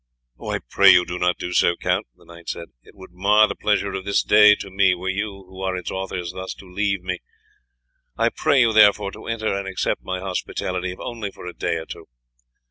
"I pray you not to do so, Count," the knight said; "it would mar the pleasure of this day to me, were you, who are its authors, thus to leave me. I pray you, therefore, to enter and accept my hospitality, if only for a day or two."